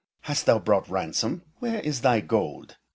Hast thou brought ransom? Where is thy gold?